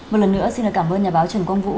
một lần nữa xin cảm ơn nhà báo trần công vũ